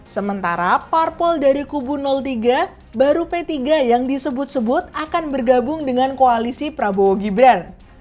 sementara parpol dari kubu tiga baru p tiga yang disebut sebut akan bergabung dengan koalisi prabowo gibran